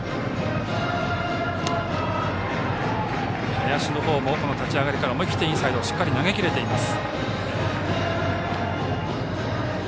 林の方も立ち上がりから思い切って、インサイドにしっかり投げ切れています。